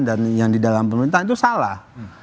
dan yang di dalam pemerintahan itu salah